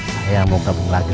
saya mau kerbuk lari